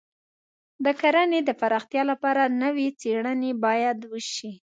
د کرنې د پراختیا لپاره نوې څېړنې باید وشي.